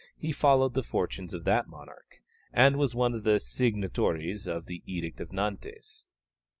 he followed the fortunes of that monarch, and was one of the signatories of the Edict of Nantes.